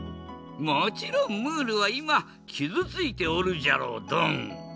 もちろんムールはいまきずついておるじゃろうドン。